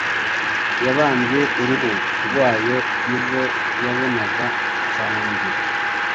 yabambye uruhu rwayo, nibwo yabonaga Cyenge,